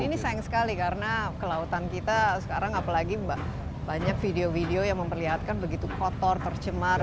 ini sayang sekali karena kelautan kita sekarang apalagi banyak video video yang memperlihatkan begitu kotor tercemar